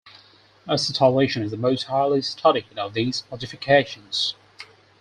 Acetylation is the most highly studied of these modifications.